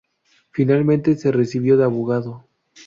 Finalmente, se recibió de Abogado.